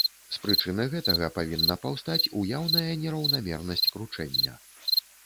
З прычыны гэтага павінна паўстаць уяўная нераўнамернасць кручэння.